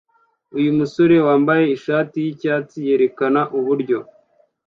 Uyu musore wambaye ishati yicyatsi yerekana uburyo